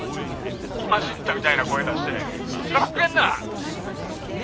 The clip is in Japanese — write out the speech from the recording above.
今知ったみたいな声出してしらばっくれんな！